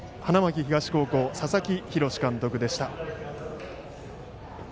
勝ちました花巻東高校佐々木洋監督でした。